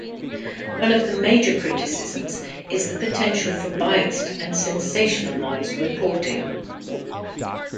One of the major criticisms is the potential for biased and sensationalized reporting.